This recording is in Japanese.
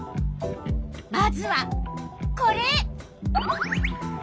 まずはこれ。